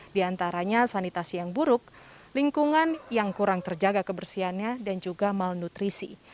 di antaranya sanitasi yang buruk lingkungan yang kurang terjaga kebersihannya dan juga malnutrisi